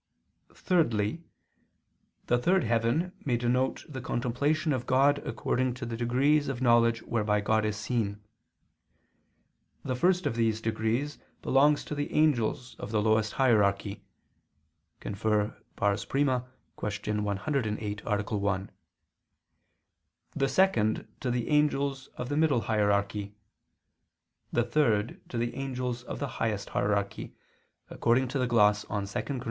Thirdly, the third heaven may denote the contemplation of God according to the degrees of knowledge whereby God is seen. The first of these degrees belongs to the angels of the lowest hierarchy [*Cf. I, Q. 108, A. 1], the second to the angels of the middle hierarchy, the third to the angels of the highest hierarchy, according to the gloss on 2 Cor.